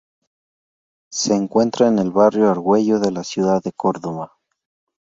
Se encuentra en el Barrio Argüello de la Ciudad de Córdoba.